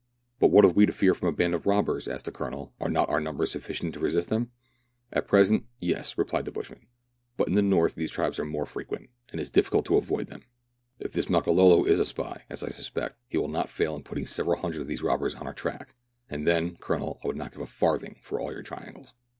" But what have we to fear from a band of robbers }" asked the Colonel ;" are not our numbers sufficient to resist them ?"" At present, yes," replied the bushman ;" but in the north these tribes are more frequent, and it is difficult to avoid them. If this Makololo is a spy, as I suspect, he will not fail in putting several hundred of these robbers on our track, and then, Colonel, I would not give a farthing for all your triangles."